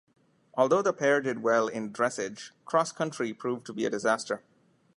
Although the pair did well in dressage, cross country proved to be a disaster.